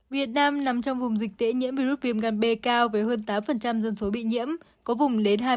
việt nam nằm trong vùng dịch tễ nhiễm virus viêm gan b cao với hơn tám dân số bị nhiễm có vùng đến hai mươi